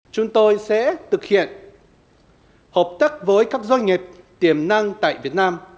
chúng tôi sẽ thực hiện hợp tác với các doanh nghiệp tiềm năng tại việt nam